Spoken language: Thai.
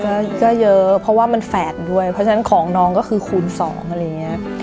ก็เยอะเพราะว่ามันแฝดด้วยเพราะฉะนั้นของน้องก็คือคูณสองอะไรอย่างเงี้ย